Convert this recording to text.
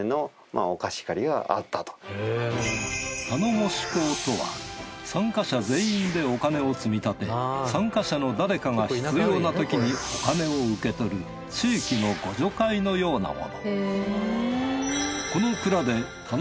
頼母子講とは参加者全員でお金を積み立て参加者の誰かが必要なときにお金を受け取る地域の互助会のようなもの。